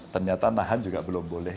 ternyata nahan juga belum boleh